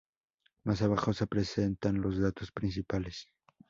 Más abajo, se presentan los datos principales.